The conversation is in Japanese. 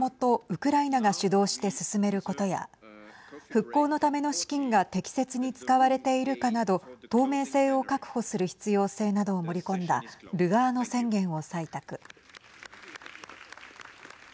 ウクライナが主導して進めることや復興のための資金が適切に使われているかなど透明性を確保する必要性などを盛り込んだルガーノ宣言を採択。